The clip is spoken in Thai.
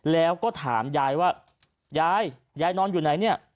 แล้วก็ถามยายว่ายายยายนอนอยู่ไหนเนี่ย